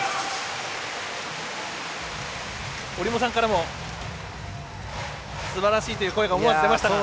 折茂さんからもすばらしいという声が思わず出ました。